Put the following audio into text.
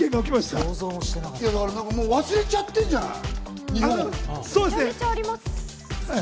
もう忘れちゃってんじゃない？